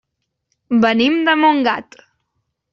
Venim de Montgat.